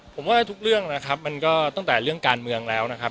ผมว่าทุกเรื่องนะครับมันก็ตั้งแต่เรื่องการเมืองแล้วนะครับ